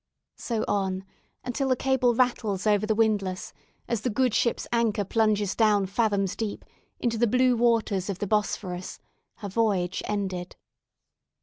So on, until the cable rattles over the windlass, as the good ship's anchor plunges down fathoms deep into the blue waters of the Bosphorus her voyage ended.